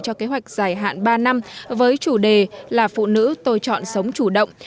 cho kế hoạch dài hạn ba năm với chủ đề là phụ nữ tôi chọn sống chủ động